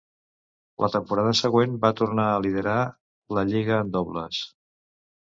La temporada següent, va tornar a liderar la lliga en dobles.